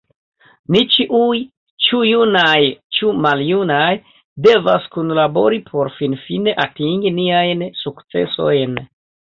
Ni ĉiuj, ĉu junaj ĉu maljunaj, devas kunlabori por finfine atingi niajn sukcesojn.